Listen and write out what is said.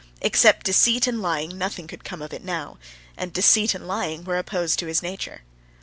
Except deceit and lying nothing could come of it now; and deceit and lying were opposed to his nature.